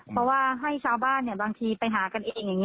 เพราะว่าให้ชาวบ้านเนี่ยบางทีไปหากันเอง